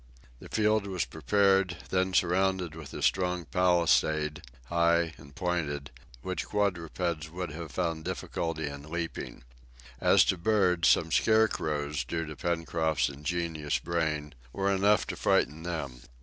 The field was prepared, then surrounded with a strong palisade, high and pointed, which quadrupeds would have found difficulty in leaping. As to birds, some scarecrows, due to Pencroft's ingenious brain, were enough to frighten them.